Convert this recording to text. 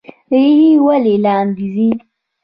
ریښې ولې لاندې ځي؟